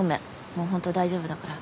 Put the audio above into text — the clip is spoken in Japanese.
もう本当大丈夫だから。